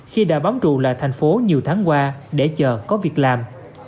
khi đã bóng trụ lại thành phố nhiều tháng qua để chờ có việc làm